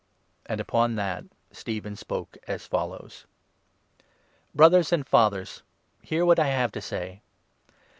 And, upon that, Stephen spoke as follows : 2 " Brothers and Fathers, hear what I have to say.